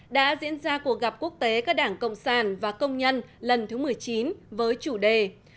đã diễn ra cuộc gặp quốc tế các đảng cộng sản và công nhân lần thứ một mươi chín với chủ đề